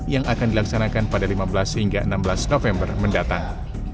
yang akan dilaksanakan pada lima belas hingga enam belas november mendatang